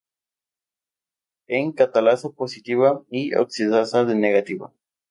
Es catalasa positiva y oxidasa negativa.